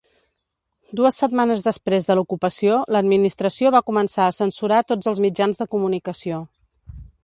Dues setmanes després de l'ocupació, l'administració va començar a censurar tots els mitjans de comunicació.